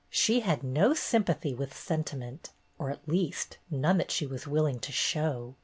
She had no sympathy with sentiment, or at least, none that she was willing to show.